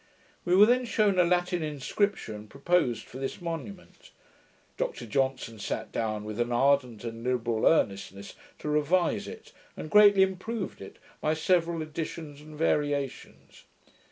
We were then shewn a Latin inscription, proposed for this monument. Dr Johnson sat down with an ardent and liberal earnestness to revise it, and greatly improved it by several additions and variations.